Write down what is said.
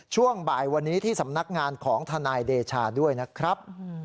ช่วงบ่ายวันนี้ที่สำนักงานของทนายเดชาด้วยนะครับ